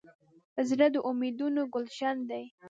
زړه د امیدونو ګلشن دی.